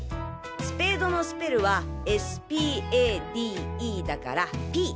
スペードのスペルは「ＳＰＡＤＥ」だから「Ｐ」！